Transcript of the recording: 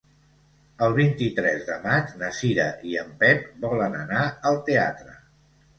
El vint-i-tres de maig na Cira i en Pep volen anar al teatre.